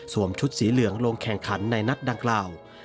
ชุดสีเหลืองลงแข่งขันในนัดดังกล่าว